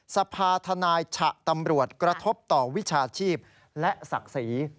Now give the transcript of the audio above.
สภาธนายฉะตำรวจกระทบต่อวิชาชีพและศักดิ์ศรี